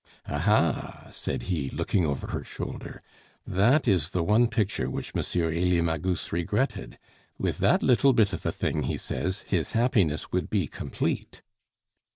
"Aha!" said he, looking over her shoulder, "that is the one picture which M. Elie Magus regretted; with that little bit of a thing, he says, his happiness would be complete."